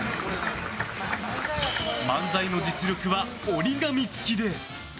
漫才の実力は折り紙付きで。